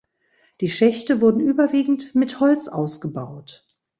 Die Schächte wurden überwiegend mit Holz ausgebaut.